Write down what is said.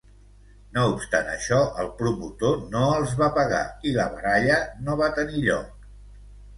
No obstant això, el promotor no els va pagar i la baralla no va tenir lloc.